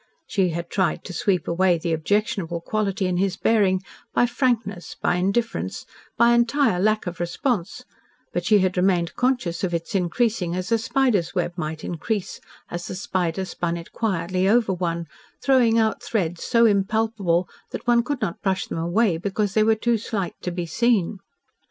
She had tried to sweep away the objectionable quality in his bearing, by frankness, by indifference, by entire lack of response, but she had remained conscious of its increasing as a spider's web might increase as the spider spun it quietly over one, throwing out threads so impalpable that one could not brush them away because they were too slight to be seen.